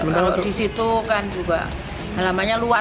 kalau di situ kan juga halamannya luas